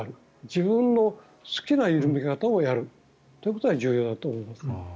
自分の好きな緩め方をやるということが重要だと思います。